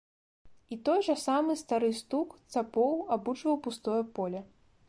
І той жа самы стары стук цапоў абуджваў пустое поле.